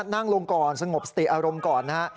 นั่งลงก่อนสงบสติอารมณ์ก่อนนะฮะ